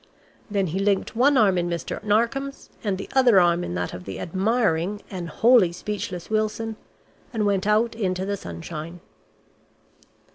Then he linked one arm in Mr. Narkom's and the other arm in that of the admiring, and wholly speechless Wilson, and went out into the sunshine.